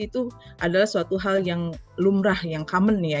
itu adalah suatu hal yang lumrah yang common ya